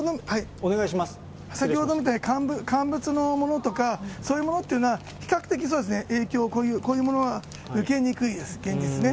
先ほどみたいに乾物のものとか、そういうものっていうのは、比較的そうですね、影響、こういうものは受けにくいです、現実ね。